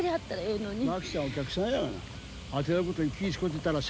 お客さんやがな。